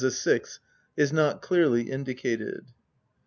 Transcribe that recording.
6) is not clearly indicated.